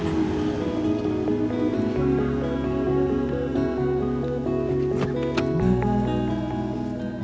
mas aku mau ke rumah